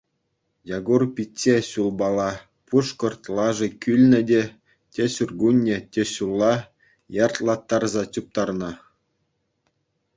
Якур пичче ҫулпала пушкӑрт лаши кӳлнӗ те, те ҫуркунне, те ҫулла яртлаттарса чуптарнӑ.